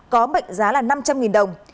có mệnh giá là năm trăm linh đồng